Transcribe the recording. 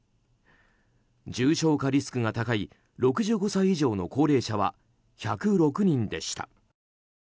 重症化リスクが高い６５歳以上の高齢者は１０６人でした。